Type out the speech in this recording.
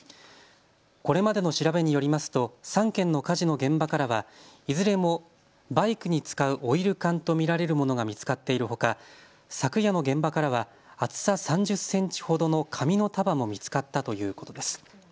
これまでの調べによりますと３件の火事の現場からはいずれもバイクに使うオイル缶と見られるものが見つかっているほか昨夜の現場からは厚さ３０センチほどの紙の束も見つかったということです。